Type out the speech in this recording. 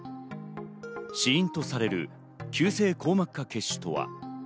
死因とされる急性硬膜化血腫とは？